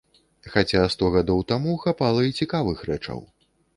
Хаця сто гадоў таму хапала і цікавых рэчаў.